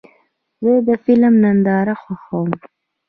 زه د فلم ننداره خوښوم.